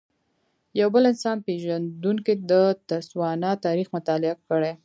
یو بل انسان پېژندونکی د تسوانا تاریخ مطالعه کړی.